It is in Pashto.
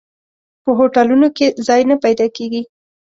په هوټلونو کې ځای نه پیدا کېږي.